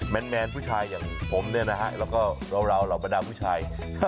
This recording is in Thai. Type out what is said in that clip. แมนผู้ชายอย่างผมเนี่ยนะฮะแล้วก็เราเหล่าบรรดาผู้ชาย